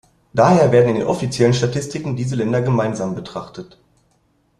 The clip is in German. Daher werden in den offiziellen Statistiken diese Länder gemeinsam betrachtet.